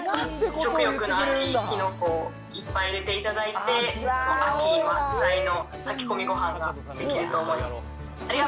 食欲の秋、キノコをいっぱい入れていただいて、秋満載の炊き込みごはんができると思います。